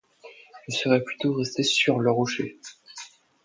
Je serais plutôt restée sur le rocher.